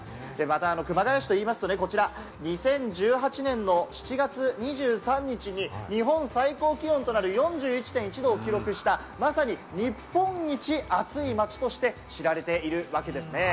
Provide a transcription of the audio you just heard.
熊谷市といいますとこちら、２０１８年の７月２３日に日本最高気温となる４１．１度を記録した、まさに日本一暑い街として知られているわけですね。